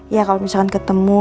ya kalau misalkan ketemu